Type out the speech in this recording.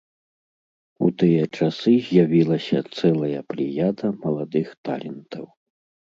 У тыя часы з'явілася цэлая плеяда маладых талентаў.